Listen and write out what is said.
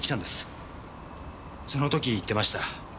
その時言ってました。